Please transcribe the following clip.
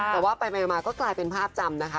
แต่ว่าไปมาก็กลายเป็นภาพจำนะคะ